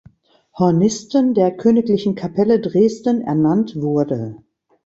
Hornisten der Königlichen Kapelle Dresden ernannt wurde.